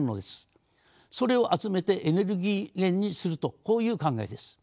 それを集めてエネルギー源にするとこういう考えです。